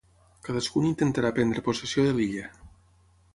Cadascun intentarà prendre possessió de l'illa.